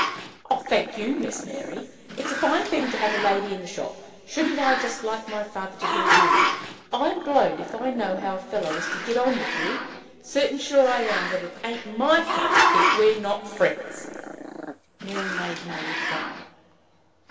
"Thank you, Miss Mary! It's a fine thing to have a lady in the shop! Shouldn't I just like my father to hear you! I'm blowed if I know how a fellow is to get on with you! Certain sure I am that it ain't my fault if we're not friends." Mary made no reply.